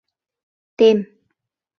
Тем!